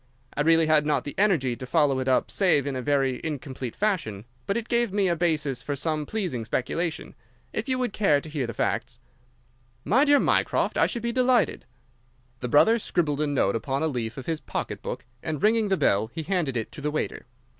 I really had not the energy to follow it up save in a very incomplete fashion, but it gave me a basis for some pleasing speculation. If you would care to hear the facts—" "My dear Mycroft, I should be delighted." The brother scribbled a note upon a leaf of his pocket book, and, ringing the bell, he handed it to the waiter.